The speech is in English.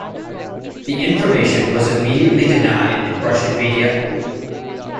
The information was immediately denied in Russian media.